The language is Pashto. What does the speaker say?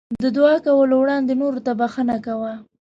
د دعا کولو وړاندې نورو ته بښنه کوه.